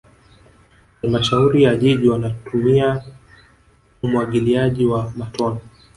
halmashauri ya jiji wanatumia umwagiliaji wa matone